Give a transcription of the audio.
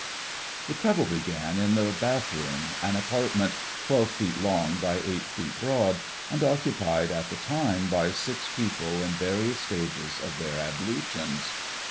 The trouble began in the bathroom, an apartment 12 feet long by 8 feet broad, and occupied at the time by six people in various stages of their ablutions.